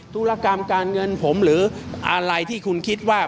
ธุรกรรมการเงินผมหรืออะไรที่คุณคิดว่า